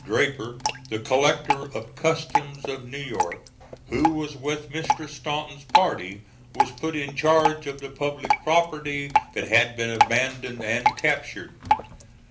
Draper, the collector of customs of New York, who was with Mr. Stanton's party, was put in charge of the public property that had been abandoned and captured.